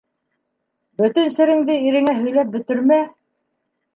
Бөтөн сереңде иреңә һөйләп бөтөрмә.